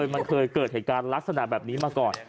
มันเคยเกิดเหตุการณ์ลักษณะแบบนี้มาก่อน